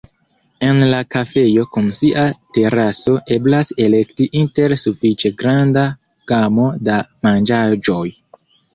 En la kafejo kun sia teraso eblas elekti inter sufiĉe granda gamo da manĝaĵoj.